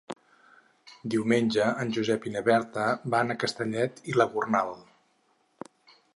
Diumenge en Josep i na Berta van a Castellet i la Gornal.